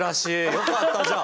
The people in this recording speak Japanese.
よかったじゃあ。